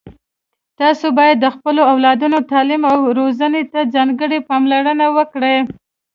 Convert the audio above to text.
تاسو باید د خپلو اولادونو تعلیم او روزنې ته ځانګړي پاملرنه وکړئ